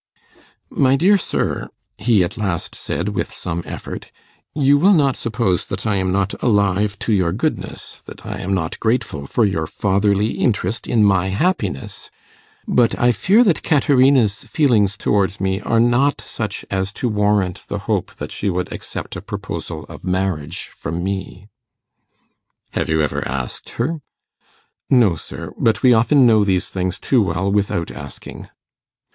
'My dear sir,' he at last said with some effort, 'you will not suppose that I am not alive to your goodness that I am not grateful for your fatherly interest in my happiness; but I fear that Caterina's feelings towards me are not such as to warrant the hope that she would accept a proposal of marriage from me.' 'Have you ever asked her?' 'No, sir. But we often know these things too well without asking.